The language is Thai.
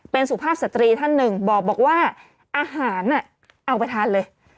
เป็นสุภาพสตรีท่านหนึ่งบอกว่าอาหารเอาไปทานเลย